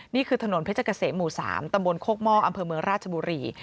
นี่คือถนนเพชรเกษมหมู่๓ตำบลโคกหม้ออำเภอเมืองราชบุรี